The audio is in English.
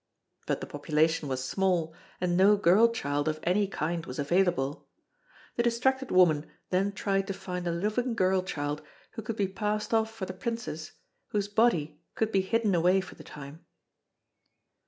But the population was small and no girl child of any kind was available. The distracted woman then tried to find a living girl child who could be passed off for the princess, whose body could be hidden away for the time.